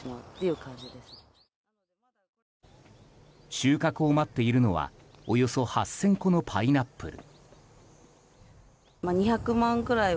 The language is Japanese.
収穫を待っているのはおよそ８０００個のパイナップル。